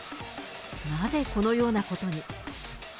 なぜこのようなことに。